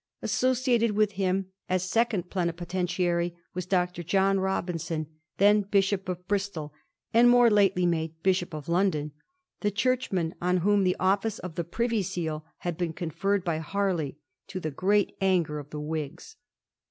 Associated with him as Second Plenipotentiary was Dr. John Robinson, then Bishop of Bristol, and more lately made Bishop of London, the churchman on whom the office of the Privy Seal had been conferred by Harley, to the great anger of the Whigs.